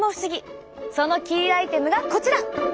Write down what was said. そのキーアイテムがこちら！